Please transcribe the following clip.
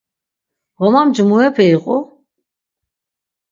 Ğomamci murepe iqu?